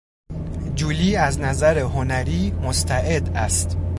جولی از نظر هنری مستعد است.